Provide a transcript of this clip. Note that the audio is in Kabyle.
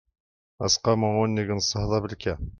aseqqamu unnig n ṣṣehd abelkam